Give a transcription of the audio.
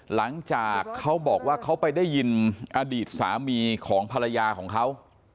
หลังจากเขาบอกว่าเขาไปได้ยินอดีตสามีของภรรยาของเขา